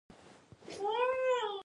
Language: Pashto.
• د مرغیو چغې ته غوږ شه او آرام کښېنه.